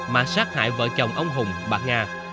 mà sát hại vợ chồng ông hùng bà nga